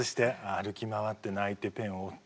歩き回って泣いてペンを折って。